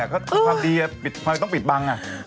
เขาทำดีทำไมต้องปิดบัง